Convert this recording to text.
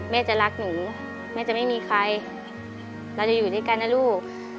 แม่จะรักหนูแม่จะไม่มีใครเราจะอยู่ด้วยกันนะลูก